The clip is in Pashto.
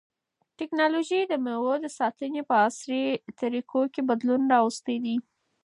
تکنالوژي د مېوو د ساتنې په عصري طریقو کې بدلون راوستی دی.